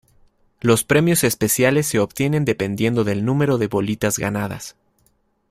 Los premios especiales se obtienen dependiendo del número de bolitas ganadas.